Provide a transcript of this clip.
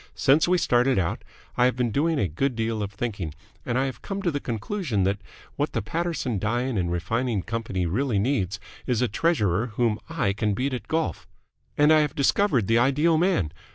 Since we started out, I have been doing a good deal of thinking, and I have come to the conclusion that what the Paterson Dyeing and Refining Company really needs is a treasurer whom I can beat at golf. And I have discovered the ideal man.